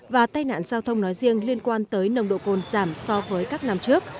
và tai nạn giao thông nói riêng liên quan tới nồng độ côn giảm so với các năm trước